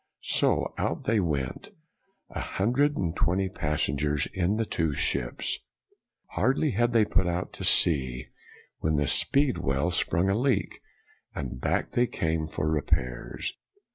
So out they went, a hundred and twenty passengers, in the two ships. Hardly had they put out to sea, when the Speedwell sprung a leak, and back they came for repairs.